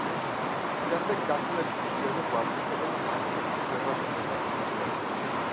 შემდეგ გაცილებით იშვიათად ვარჯიშობდა და მატჩებშიც ვეღარ იღებდა მონაწილეობას.